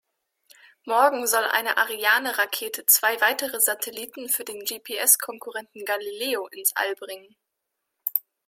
Morgen soll eine Ariane-Rakete zwei weitere Satelliten für den GPS-Konkurrenten Galileo ins All bringen.